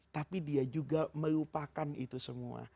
tapi dia juga melupakan itu semua